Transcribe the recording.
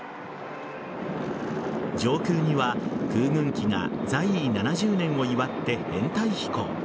上空には空軍機が在位７０年を祝って編隊飛行。